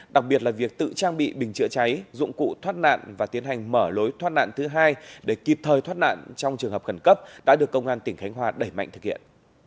đặc biệt là việc tự trang bị bình chữa cháy dụng cụ thoát nạn và tiến hành mở lối thoát nạn thứ hai để kịp thời thoát nạn trong trường hợp khẩn cấp đã được công an tỉnh khánh hòa đẩy mạnh thực hiện